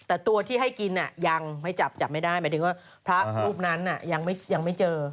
แต่ตัวที่ให้กินยังไม่จับจับไม่ได้หมายถึงว่าพระรูปนั้นยังไม่เจอ